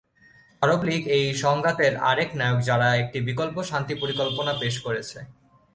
আরব league এই সংঘাতের আরেক নায়ক যারা একটি বিকল্প শান্তি পরিকল্পনা পেশ করেছে।